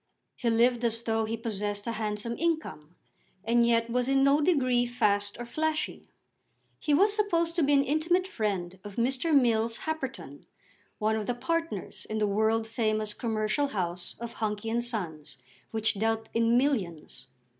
He lived as though he possessed a handsome income, and yet was in no degree fast or flashy. He was supposed to be an intimate friend of Mr. Mills Happerton, one of the partners in the world famous commercial house of Hunky and Sons, which dealt in millions.